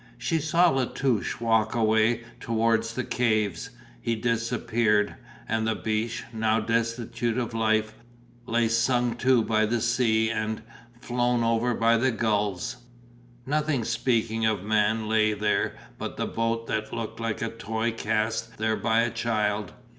She saw La Touche walk away towards the caves; he disappeared, and the beach, now destitute of life, lay sung to by the sea and flown over by the gulls. Nothing speaking of man lay there but the boat that looked like a toy cast there by a child.